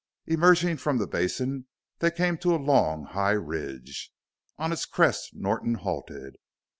Emerging from the basin, they came to a long, high ridge. On its crest Norton halted.